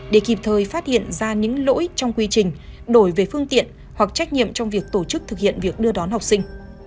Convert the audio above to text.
để kịp thời phát hiện ra những lỗi trong quy trình đổi về phương tiện hoặc trách nhiệm trong việc tổ chức thực hiện việc đưa đón học sinh